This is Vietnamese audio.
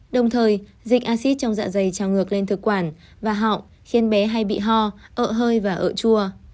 đồng thời dịch acid trong dạ dày trao ngược lên thực quản và họng khiến bé hay bị ho ợ hơi và ợ chua